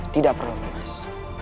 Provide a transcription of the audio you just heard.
tidak perlu nimas